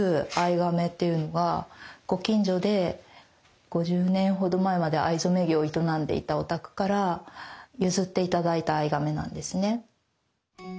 がめっていうのはご近所で５０年ほど前まで藍染め業を営んでいたお宅から譲って頂いた藍がめなんですね。